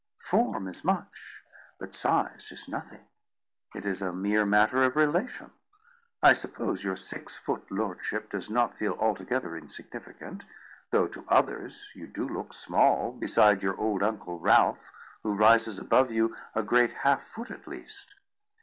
"Form is much, but size is nothing. It is a mere matter of relation. I suppose your six foot lordship does not feel altogether insignificant, though to others you do look small beside your old Uncle Ralph, who rises above you a great half foot at least.